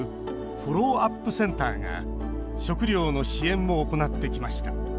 フォローアップセンターが食料の支援も行ってきました。